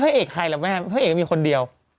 พระเอกใครละแม่พระเอกมีคนเดียว